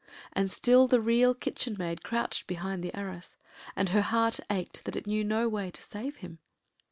And still the Real Kitchen Maid crouched behind the arras, and her heart ached that it knew no way to save him.